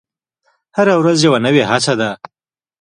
هره ورځ یوه نوې هڅه ده.